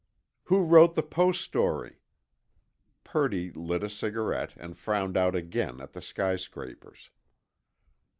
"Who wrote the Post story?" Purdy lit a cigarette and frowned out again at the skyscrapers.